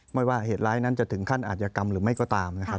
ไม่ว่าเหตุร้ายนั้นจะถึงขั้นอาจยกรรมหรือไม่ก็ตามนะครับ